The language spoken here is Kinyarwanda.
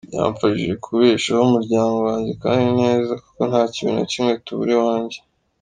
Byamfashije kubeshaho umuryango wanjye kandi neza kuko nta kintu na kimwe tubura iwanjye.